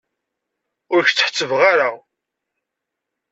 Ur k-tt-ḥettbeɣ ara.